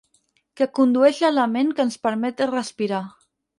Que condueix l'element que ens permet respirar.